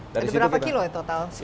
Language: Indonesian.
ada berapa kilo ya total